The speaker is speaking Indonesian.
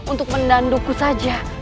untuk menanduku saja